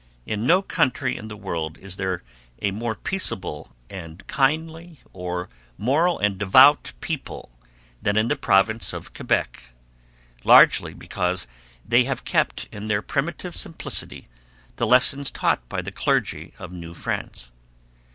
In no country in the world is there a more peaceable and kindly or moral and devout people than in the province of Quebec, largely because they have kept in their primitive simplicity the lessons taught by the clergy of New France.